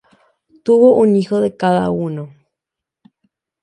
Tuvo un hijo de cada uno.